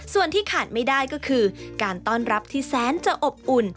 ส่วนที่ขาดไม่ได้ก็คือการต้อนรับที่แสนจะอบอุ่น